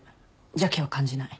邪気は感じない。